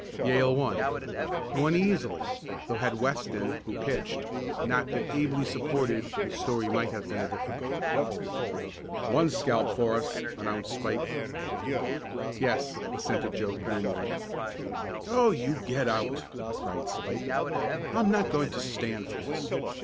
Yale won. Won easily, though had Weston, who pitched, not been ably supported the story might have been a different one. "One scalp for us," announced Spike. "Yes," assented Joe gloomily. "Oh, you get out!" cried Spike. "I'm not going to stand for this.